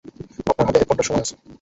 আপনার হাতে এক ঘণ্টা সময় আছে।